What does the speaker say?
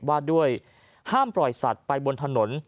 ว่าด้วยห้ามปล่อยสัตว์ไปบนถนน